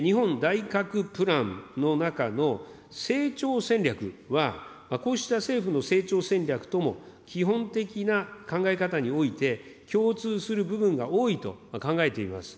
御党のこの日本プランの中の、成長戦略は、こうした政府の成長戦略とも基本的な考え方において、共通する部分が多いと考えています。